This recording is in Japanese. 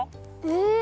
え！